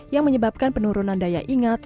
yang menyebabkan penurunan daya ingat